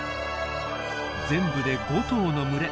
全部で５頭の群れ。